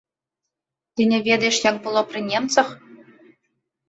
Ты не ведаеш, як было пры немцах?